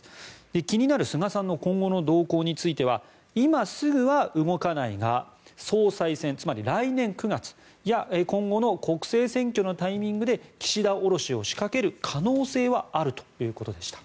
気になる菅さんの今後の動向については今すぐは動かないが総裁選、つまり来年９月や今後の国政選挙のタイミングで岸田降ろしを仕掛ける可能性はあるということでした。